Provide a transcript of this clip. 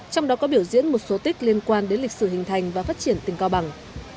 trong đó có biểu diễn một số tích liên quan đến lịch sử hình thành và phát triển tỉnh cao bằng